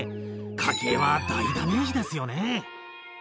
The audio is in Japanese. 家計は大ダメージですよね。